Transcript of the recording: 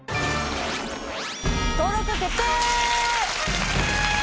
登録決定！